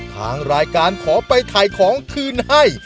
ทางรายการขอไปถ่ายของคืนให้